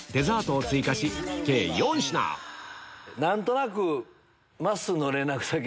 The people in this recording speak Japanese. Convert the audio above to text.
何となく。